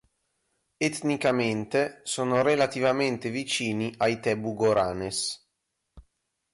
Etnicamente, sono relativamente vicini ai Tebu-Goranes.